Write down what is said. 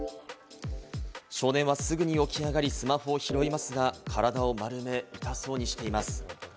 少年はすぐに起き上がり、スマホを拾いますが体を丸め、痛そうにしています。